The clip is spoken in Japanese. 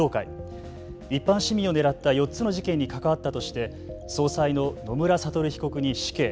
一般市民を狙った４つの事件に関わったとして総裁の野村悟被告に死刑。